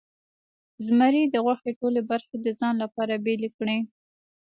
زمري د غوښې ټولې برخې د ځان لپاره بیلې کړې.